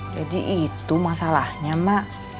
jadi itu masalahnya mak